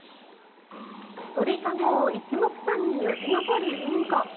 鳥籠を一目散によじ登るインコ。